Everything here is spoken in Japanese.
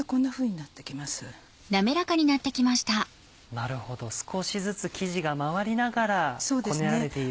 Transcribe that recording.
なるほど少しずつ生地が回りながらこねられている。